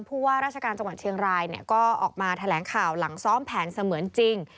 ผู้ว่าราชการจังหวัดเชียงรายก็ออกมาแถลงข่าวหลังซ้อมแผนเสมือนจริง